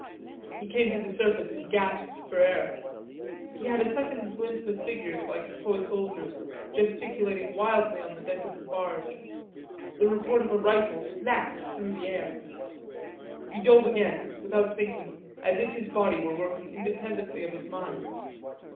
He came to the surface and gasped for air. He had a second's glimpse of figures, tiny like toy soldiers, gesticulating wildly on the deck of the barge. The report of a rifle snapped through the air. He dove again, without thinking, as if his body were working independently of his mind.